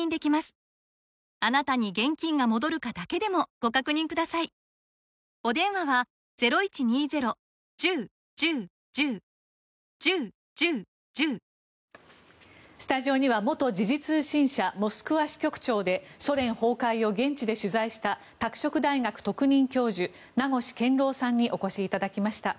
ウクライナ側は爆発はロシアによるものだとスタジオには元時事通信社モスクワ支局長でソ連崩壊を現地で取材した拓殖大学特任教授名越健郎さんにお越しいただきました。